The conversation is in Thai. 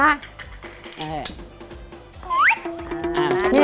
อ่านี่